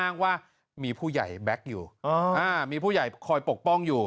อ้างว่ามีผู้ใหญ่แบ็คอยู่มีผู้ใหญ่คอยปกป้องอยู่